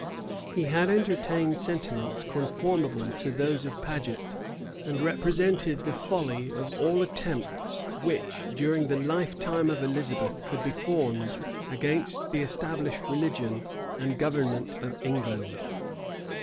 He had entertained sentiments conformable to those of Paget, and represented the folly of all attempts which, during the lifetime of Elizabeth, could be formed against the established religion and government of England.